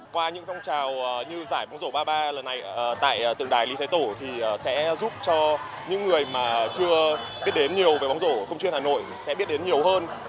qua những phong trào như giải bóng rổ ba mươi ba lần này tại tượng đài lý thái tổ thì sẽ giúp cho những người mà chưa biết đến nhiều về bóng rổ không chuyên hà nội sẽ biết đến nhiều hơn